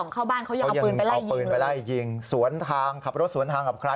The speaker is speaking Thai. เข้าบ้านเขายังเอาเปอร์นไปใส่ยิงสวนทางขับรถสวนทาง